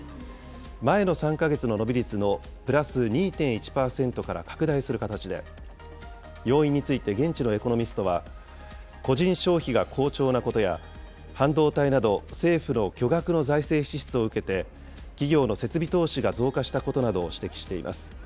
前の３か月の伸び率のプラス２．１％から拡大する形で、要因について現地のエコノミストは、個人消費が好調なことや、半導体など政府の巨額の財政支出を受けて、企業の設備投資が増加したことなどを指摘しています。